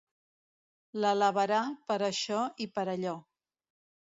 L'alabarà per això i per allò.